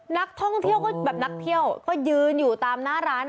นักท่องเที่ยวก็แบบนักเที่ยวก็ยืนอยู่ตามหน้าร้าน